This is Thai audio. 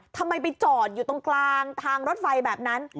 ทำไมไปจอดอยู่ตรงกลางทางรถไฟแบบนั้น